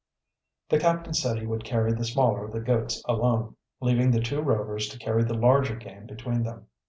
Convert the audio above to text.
The captain said he would carry the smaller of the goats alone, leaving the two Rovers to carry the larger game between them.